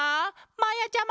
まやちゃま！